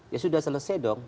ya sudah selesai dong